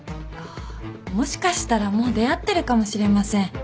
あっもしかしたらもう出会ってるかもしれません。